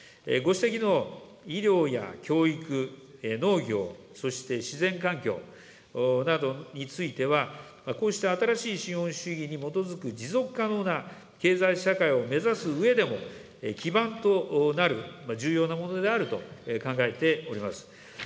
ご指摘の医療や教育、農業、そして自然環境などについては、こうした新しい資本主義に基づく持続可能な経済社会を目指すうえでも、基盤となる重要なものであると考えております。